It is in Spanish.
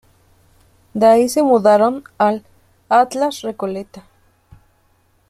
De ahí se mudaron al "Atlas Recoleta".